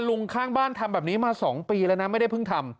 ลุงข้างบ้านทำแบบนี้มา๒ปีแล้วนะไม่ได้เพิ่งทำ